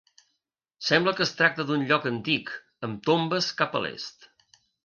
Sembla que es tracta d'un lloc antic, amb tombes cap a l'est.